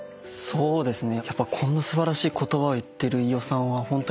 そうですね。